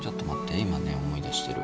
今ね思い出してる。